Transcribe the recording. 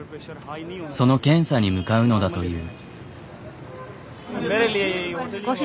その検査に向かうのだという。